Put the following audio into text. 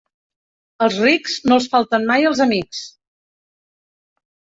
Als rics no els falten mai els amics.